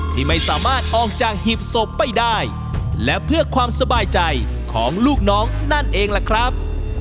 ที่ไม่สามารถออกจากหีบศพไปได้และเพื่อความสบายใจของลูกน้องนั่นเองล่ะครับ